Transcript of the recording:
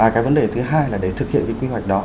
cái vấn đề thứ hai là để thực hiện cái quy hoạch đó